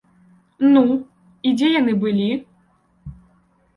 Ну, і дзе яны былі?